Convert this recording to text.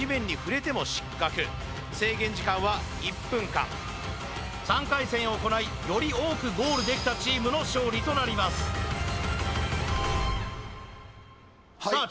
また３回戦を行いより多くゴールできたチームの勝利となりますさあ